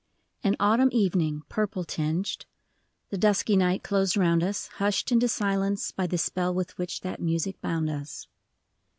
|N autumn evening : purple tinged The dusky night closed round us, Hushed into silence by the spell With which that music bound us.